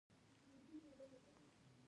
پریټل برخه د پوستکي او غړو حسي انګیزې اخلي